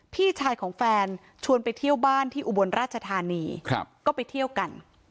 พี่ชายของแฟนชวนไปเที่ยวบ้านที่อุบลราชธานีก็ไปเที่ยวกัน